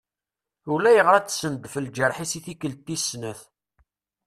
Ulayɣer ad d-sendef lǧerḥ-is i tikkelt tis snat.